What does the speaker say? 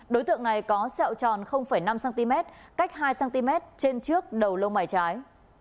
đối tượng này có sẹo tròn năm cm cách hai cm trên trước đầu lông mày trái